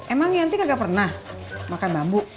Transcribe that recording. emang yanti nggak pernah makan bambu